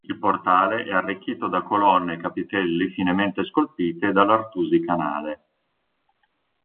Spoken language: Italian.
Il portale è arricchito da colonne e capitelli finemente scolpiti dall'Artusi Canale.